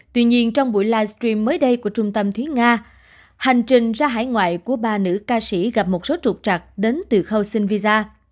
tuy nhiên trong buổi livestream mới đây của trung tâm thúy nga hành trình ra hải ngoại của ba nữ ca sĩ gặp một số trục trặc đến từ khâu xin visa